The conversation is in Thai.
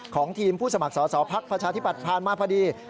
ของทีมผู้สมัครสอสอภักดิ์ประชาธิบัติผ่านมาพอดี